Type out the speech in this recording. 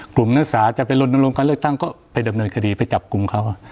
นักศึกษาจะไปลนลงการเลือกตั้งก็ไปดำเนินคดีไปจับกลุ่มเขา